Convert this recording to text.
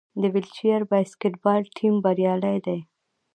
د ویلچیر باسکیټبال ټیم بریالی دی.